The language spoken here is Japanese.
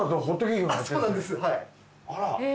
あら。